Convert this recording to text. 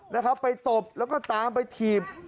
นะครับไปตบแล้วก็ตามไปถีบ